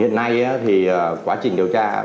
hiện nay thì quá trình điều tra